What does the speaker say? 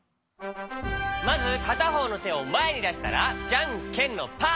まずかたほうのてをまえにだしたらじゃんけんのパー。